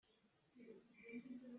Phawng in Chindwin tiva kan tan.